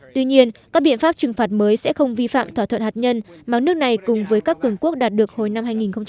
tuy nhiên các biện pháp trừng phạt mới sẽ không vi phạm thỏa thuận hạt nhân mà nước này cùng với các cường quốc đạt được hồi năm hai nghìn một mươi năm